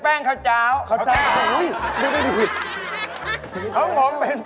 อื้อจริงบ่อยนี่คือ